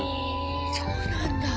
そうなんだ。